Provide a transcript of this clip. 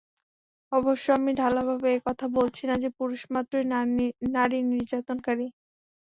অবশ্য আমি ঢালাওভাবে এ কথা বলছি না যে, পুরুষমাত্রই নারী নির্যাতনকারী।